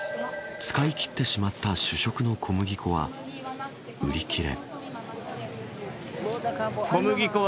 使い切ってしまった主食の小麦粉は売り切れ。